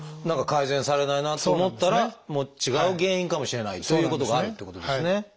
何か改善されないなと思ったら違う原因かもしれないということがあるってことですね。